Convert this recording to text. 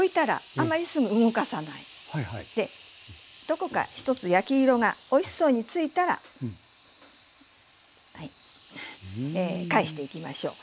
どこか一つ焼き色がおいしそうについたらはい返していきましょう。